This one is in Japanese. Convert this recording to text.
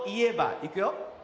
いくよ。